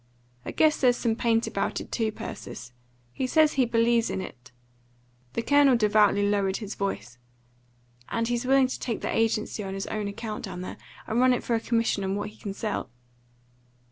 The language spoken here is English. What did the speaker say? I guess there's some paint about it too, Persis. He says he believes in it," the Colonel devoutly lowered his voice, "and he's willing to take the agency on his own account down there, and run it for a commission on what he can sell."